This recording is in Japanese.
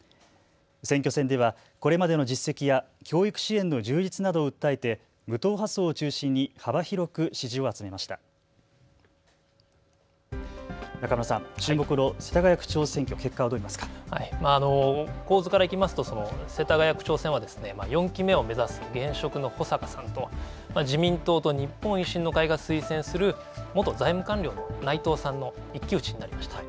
選挙戦では、これまでの実績や教育支援の充実などを訴えて、無党派層を中心に中村さん、注目の世田谷区長選挙、構図からいきますと、世田谷区長選は、４期目を目指す現職の保坂さんと、自民党と日本維新の会が推薦する元財務官僚の内藤さんの一騎打ちになりました。